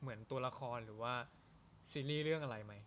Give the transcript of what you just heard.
เหมือนตัวละครหรือว่าซีรีส์เรื่องอะไรไหม